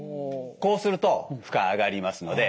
こうすると負荷上がりますので。